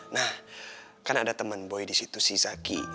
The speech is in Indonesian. nah kan ada temen boy disitu si zaki